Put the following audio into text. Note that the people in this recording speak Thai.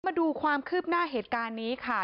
มาดูความคืบหน้าเหตุการณ์นี้ค่ะ